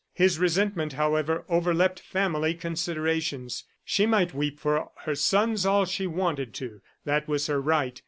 His resentment, however, overleapt family considerations. ... She might weep for her sons all she wanted to; that was her right.